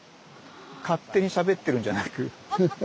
勝手にしゃべってるんじゃなく。